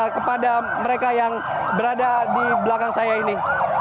kepada mereka yang berada di belakang saya ini